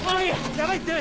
やばいって！